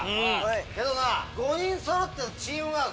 けど５人そろってのチームワーク